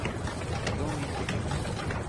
Satomi Suzuki